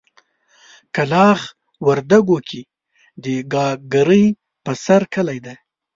کلاخ وردګو کې د ګاګرې په سر کلی دی.